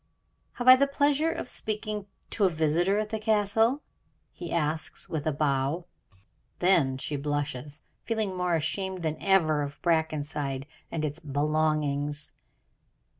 "Have I the pleasure of speaking to a visitor at the Castle?" he asks, with a bow. Then she blushes, feeling more ashamed than ever of Brackenside and its belongings.